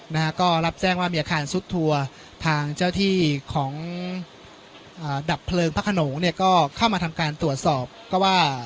นะฮะก็รับแจ้งว่ามีอาคารซุดทัวร์ทางเจ้าที่ของอ่าดับเพลิงพระขนงเนี่ยก็เข้ามาทำการตรวจสอบก็ว่า